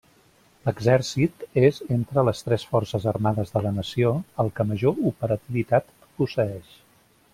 L'Exèrcit és entre les tres forces armades de la nació el que major operativitat posseeix.